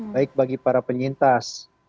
baik bagi para penyintas